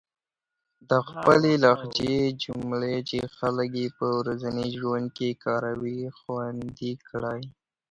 د خپلې لهجې جملې چې خلک يې په ورځني ژوند کې کاروي، خوندي کړئ.